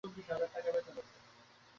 তাই শেষ কাঠগুলোও স্তূপ করে রেখে দিয়েছিলাম।